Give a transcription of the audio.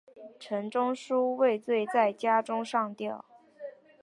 陈仲书畏罪在家中上吊。